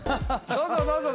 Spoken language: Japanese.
どうぞ。